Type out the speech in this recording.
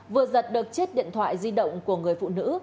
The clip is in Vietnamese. vừa giật được chiếc điện thoại di động của người phụ nữ